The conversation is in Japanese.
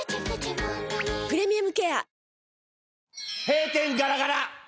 閉店ガラガラ。